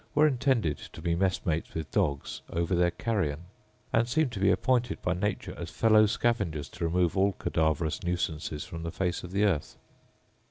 were intended to be messmates with dogs over their carrion; and seem to be appointed by nature as fellow scavengers to remove all cadaverous nuisances from the face of the earth.